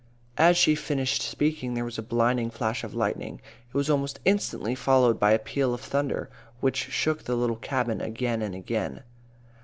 As she finished speaking, there was a blinding flash of lightning. It was almost instantly followed by a peal of thunder which shook the little cabin again and again.